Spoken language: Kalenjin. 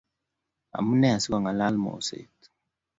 Amunee asikong'alal moseet?